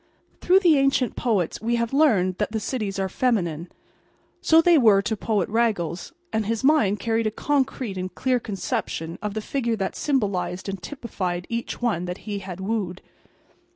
Through the ancient poets we have learned that the cities are feminine. So they were to poet Raggles; and his mind carried a concrete and clear conception of the figure that symbolized and typified each one that he had wooed.